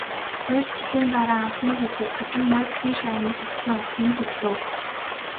Хоёр жилийн дараа анхны хүүхэд, хожим Нобелийн шагнал хүртсэн охин нь төрлөө.